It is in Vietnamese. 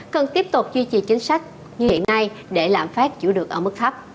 cần tiếp tục duy trì chính sách như hiện nay để làm phát chủ được ở mức thấp